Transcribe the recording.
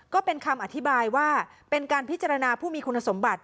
ก็เป็นคำอธิบายว่าเป็นการพิจารณาผู้มีคุณสมบัติ